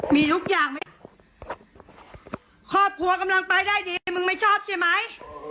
มีทุกอย่างไหมครอบครัวกำลังไปได้ดีมึงไม่ชอบใช่ไหม